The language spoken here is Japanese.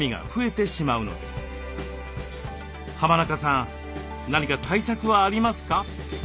浜中さん何か対策はありますか？